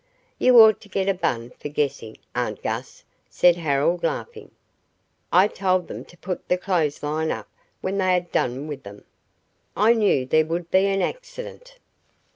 "You ought to get a bun for guessing, aunt Gus," said Harold laughing. "I told them to put the clothes lines up when they had done with them. I knew there would be an accident."